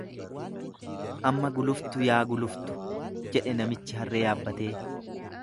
Amma guluftu yaa guluftu, jedhe namich harree yaabbatee.